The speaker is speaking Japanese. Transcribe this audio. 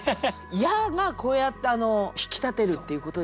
「や」がこうやって引き立てるっていうことですよね？